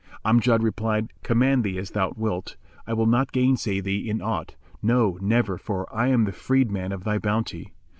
Amjad replied, "Command me as thou wilt: I will not gainsay thee in aught; no, never, for I am the freedman of thy bounty."